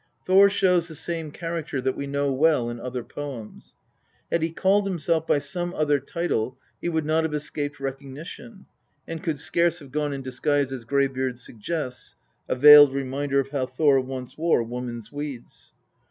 Thor shows the same character that we know well in other poems. Had he called himself by some other title he would not have escaped recognition, and could scarce have gone in disguise as Greybeard suggests a veiled reminder of how Thor once wore woman's weeds.